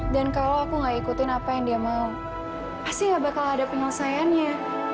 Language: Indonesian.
dan kalau aku nggak ikutin apa yang dia mau pasti nggak bakal ada penyelesaiannya